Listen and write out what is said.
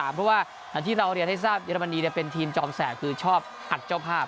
เพราะว่าอย่างที่เราเรียนให้ทราบเยอรมนีเป็นทีมจอมแสบคือชอบอัดเจ้าภาพ